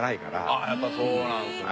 あっやっぱそうなんですね。